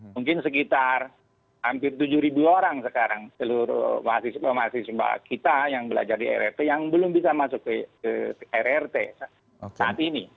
mungkin sekitar hampir tujuh orang sekarang seluruh mahasiswa mahasiswa kita yang belajar di rrt yang belum bisa masuk ke rrt saat ini